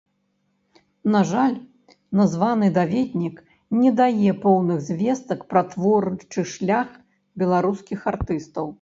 На жаль, названы даведнік не дае поўных звестак пра творчы шлях беларускіх артыстаў.